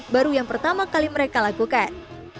baru yang pertama kali mereka lakukan